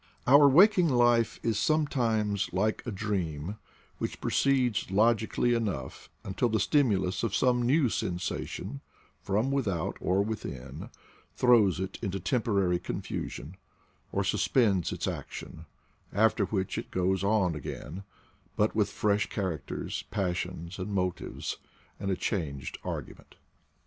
Our waking life is sometimes like a dream, which proceeds logically enough until the stimulus of some new sensation, from without or within, throws it into temporary confusion, or suspends its action; after which it goes on again, but with fresh characters, passions, and motives, and a changed argument.